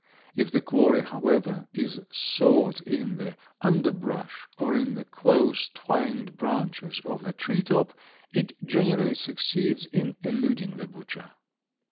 If the quarry, however, is sought in the underbrush or in the close twined branches of the treetop, it generally succeeds in eluding the butcher.